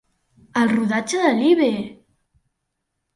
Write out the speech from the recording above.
El rodatge de Live!